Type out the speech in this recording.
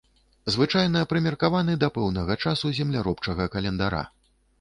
Звычайна прымеркаваны да пэўнага часу земляробчага календара.